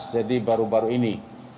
jadi baru baru ini